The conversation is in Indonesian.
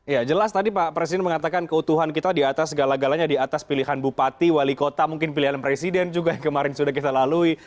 ya jelas tadi pak presiden mengatakan keutuhan kita di atas segala galanya di atas pilihan bupati wali kota mungkin pilihan presiden juga yang kemarin sudah kita lalui